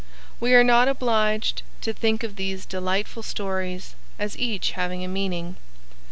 We are not obliged to think of these delightful stories as each having a meaning.